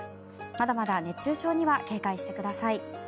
まだまだ熱中症には警戒してください。